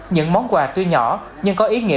những món quà tuy nhỏ nhưng có ý nghĩa